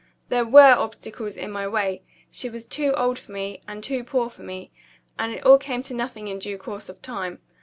There were obstacles in my way. She was too old for me, and too poor for me and it all came to nothing in due course of time.